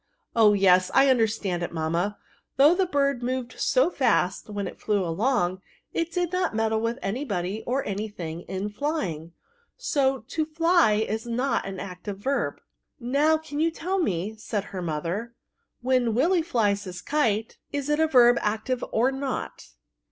" Oh yes, I understand it, mamma; though the bird moved so fSftst, when it flew along, it 56 VXRBS. did not meddle ynth any body or any thixig in fljnng : so to fly ia not an active verb/* " Now, can you tell me," said her motberi when Willy flies his kite, is it n yerb active or not?"